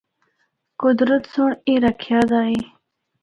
قدرت سنڑ اے رکھیا دا اے۔